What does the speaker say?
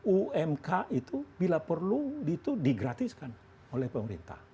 umk itu bila perlu itu digratiskan oleh pemerintah